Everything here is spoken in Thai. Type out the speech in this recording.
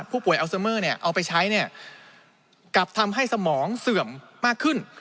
ผู้ป่วยอัลไซเมอร์เนี่ยเอาไปใช้เนี่ยกลับทำให้สมองเสื่อมมากขึ้น